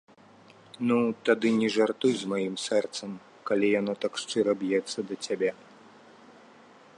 Ну, тады не жартуй з маім сэрцам, калі яно так шчыра б'ецца да цябе.